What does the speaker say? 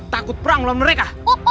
takut perang lawan mereka